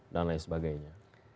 dan lain sebagainya